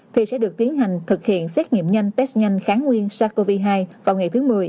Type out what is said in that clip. thì sẽ được tiến hành thực hiện xét nghiệm nhanh test nhanh kháng nguyên sars cov hai vào ngày thứ một mươi